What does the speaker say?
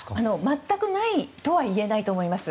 全くないとは言えないと思います。